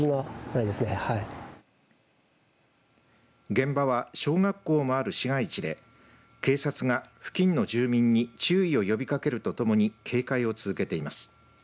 現場は小学校もある市街地で警察が付近の住民に注意を呼びかけるとともに警戒を続けています。